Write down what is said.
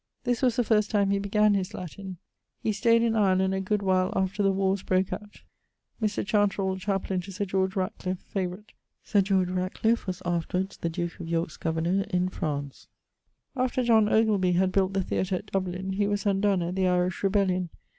This was the first time he began his Latin. He stayed in Ireland a good while after the warres broke out. [XXXIX.] Mr. Chantrel, chaplaine to Sir George Ratcliffe, favourite. Sir George Ratcliffe was afterwards the duke of York's governour in France. After John Ogilby had built the theatre at Dublin, he was undon at the Irish rebellion.